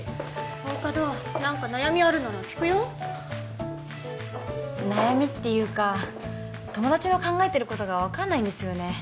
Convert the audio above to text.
大加戸何か悩みあるなら聞くよ悩みっていうか友達の考えてることが分かんないんですよね